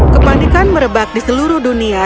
kepanikan merebak di seluruh dunia